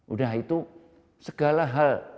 udah itu segala hal